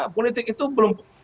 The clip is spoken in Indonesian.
politik itu belum